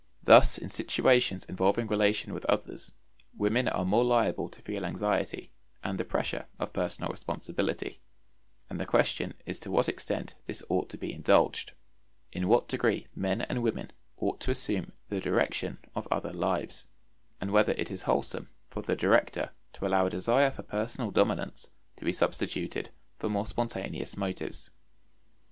Thus in situations involving relation with others women are more liable to feel anxiety and the pressure of personal responsibility; and the question is to what extent this ought to be indulged, in what degree men and women ought to assume the direction of other lives, and whether it is wholesome for the director to allow a desire for personal dominance to be substituted for more spontaneous motives.